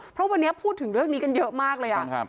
เพราะวันนี้พูดถึงเรื่องนี้กันเยอะมากเลยอ่ะครับครับ